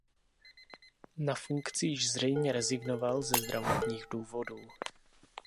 Na funkci již zřejmě rezignoval ze zdravotních důvodů.